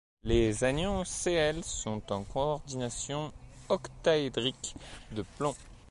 Les anions Cl sont en coordination octaédrique de plomb.